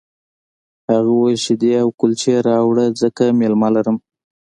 هغه وویل شیدې او کلچې راوړه ځکه مېلمه لرم